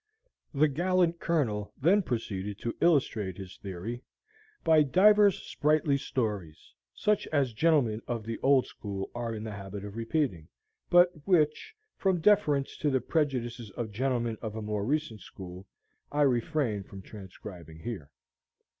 The gallant Colonel then proceeded to illustrate his theory, by divers sprightly stories, such as Gentlemen of the Old School are in the habit of repeating, but which, from deference to the prejudices of gentlemen of a more recent school, I refrain from transcribing here.